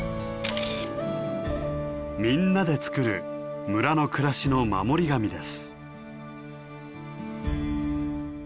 みんなで作る村の暮らしの守り神です。